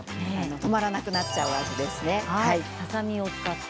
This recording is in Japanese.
止まらなくなっちゃう感じですね。